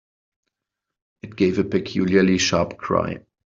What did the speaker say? It gave a peculiarly sharp cry.